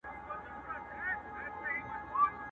ویښ مي له پېړیو په خوب تللي اولسونه دي!